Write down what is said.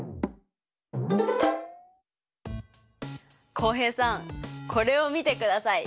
浩平さんこれを見てください。